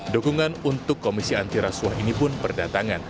dukungan untuk komisi anti rasuah ini pun berdatangan